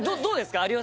どうですか？